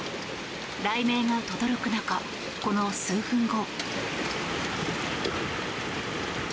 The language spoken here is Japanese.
雷鳴がとどろく中この数分後。